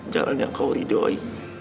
jalan yang kau ridoi